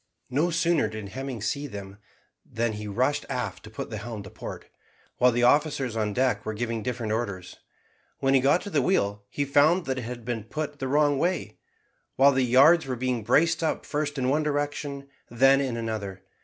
No sooner did Hemming see them than he rushed aft to put the helm to port, while the officers on deck were giving different orders. When he got to the wheel he found that it had been put the wrong way, while the yards were being braced up first in one direction, then in another.